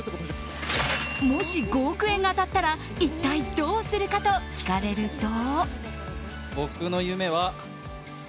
もし５億円が当たったら一体どうするかと聞かれると。